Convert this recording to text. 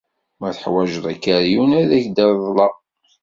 Ma teḥwajeḍ akeryun, ad ak-reḍleɣ.